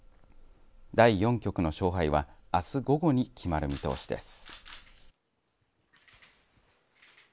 第４局の勝敗はあす午後に決まる見通しです。